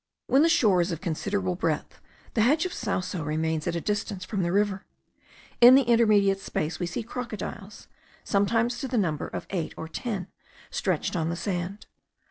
When the shore is of considerable breadth, the hedge of sauso remains at a distance from the river. In the intermediate space we see crocodiles, sometimes to the number of eight or ten, stretched on the sand.